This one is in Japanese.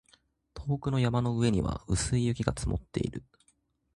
遠くの山の上には薄い雪が積もっている